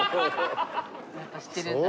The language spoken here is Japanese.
やっぱ知ってるんだ。